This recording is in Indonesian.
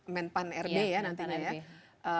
menpan rb ya nantinya ya